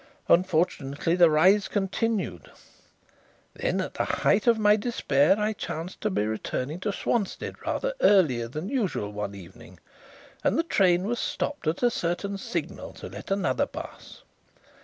Unfortunately, the rise continued. Then, at the height of my despair, I chanced to be returning to Swanstead rather earlier than usual one evening, and the train was stopped at a certain signal to let another pass.